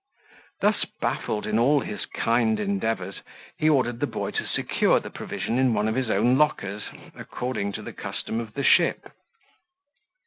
Thus baffled in all his kind endeavours, he ordered the boy to secure the provision in one of his own lockers, according to the custom of the ship.